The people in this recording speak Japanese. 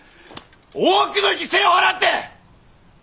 多くの犠牲を払って！